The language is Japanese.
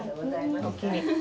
おおきに